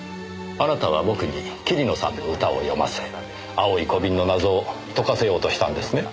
あなたは僕に桐野さんの歌を読ませ青い小瓶の謎を解かせようとしたんですね？